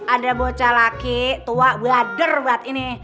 ada bocah laki tua blader buat ini